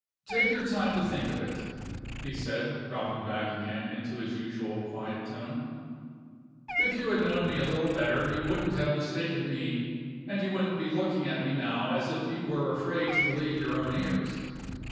"Take your time to think of it," he said, dropping back again into his usual quiet tone. "If you had known me a little better you wouldn't have mistaken me, and you wouldn't be looking at me now as if you were afraid to believe your own ears.